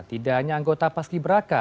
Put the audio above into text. tidak hanya anggota paski beraka